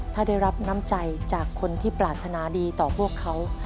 ถ้าได้รับน้ำใจจากคนที่ปรารถนาดีต่อพวกเขา